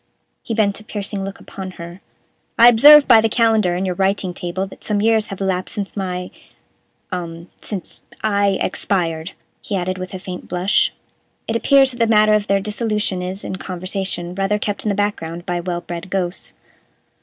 He bent a piercing look upon her. "I observe by the calendar on your writing table that some years have elapsed since my um since I expired," he added, with a faint blush. It appears that the matter of their dissolution is, in conversation, rather kept in the background by well bred ghosts.